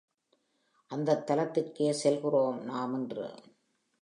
அந்தத் தலத்துக்கே செல்கிறோம் நாம் இன்று.